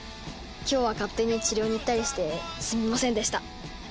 今日は勝手に治療に行ったりしてすみませんでした。